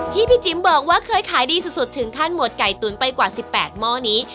พี่จิ๋มบอกว่าเคยขายดีสุดถึงขั้นหมดไก่ตุ๋นไปกว่า๑๘หม้อนี้